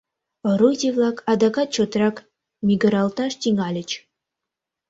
Орудий-влак адакат чотрак мӱгыралташ тӱҥальыч.